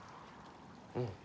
うん。